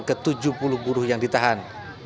ke tujuh puluh buruh yang ditahan